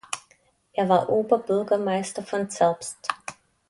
Er war Oberbürgermeister von Zerbst.